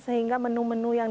sehingga menu menu yang